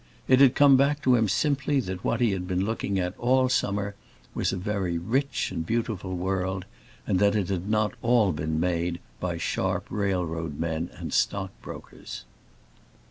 It had come back to him simply that what he had been looking at all summer was a very rich and beautiful world, and that it had not all been made by sharp railroad men and stock brokers.